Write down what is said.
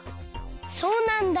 そうなんだ。